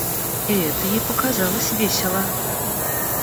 И это ей показалось весело.